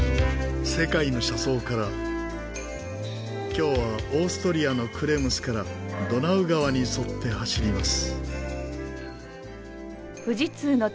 今日はオーストリアのクレムスからドナウ川に沿って走ります。